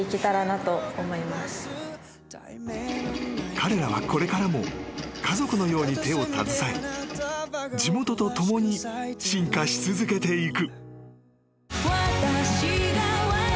［彼らはこれからも家族のように手を携え地元と共に進化し続けていく］